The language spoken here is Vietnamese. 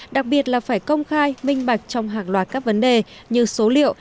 đặc biệt là phải công khai minh bạch trong hàng loạt các vấn đề như số liệu